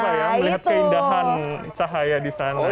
saya melihat keindahan cahaya di sana